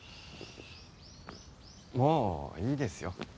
もういいですよ。